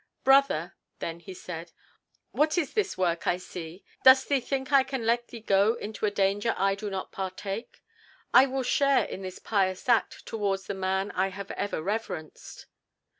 "Brother," then he said, "what is this work I see? Dost think I can let thee go into a danger I do not partake? I will share in this pious act towards the man I have ever reverenced."